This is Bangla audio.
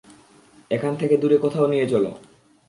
এখান থেকে দূরে কোথাও নিয়ে চলো।